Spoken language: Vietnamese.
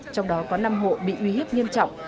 trong đó có năm hộ bị uy hiếp nghiêm trọng